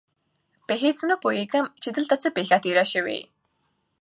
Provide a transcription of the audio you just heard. په هېڅ نه پوهېږم چې دلته څه پېښه تېره شوې.